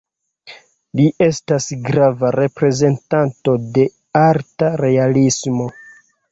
Li estas grava reprezentanto de arta realismo.